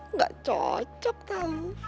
nggak cocok tahu